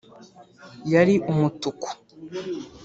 yari umutuku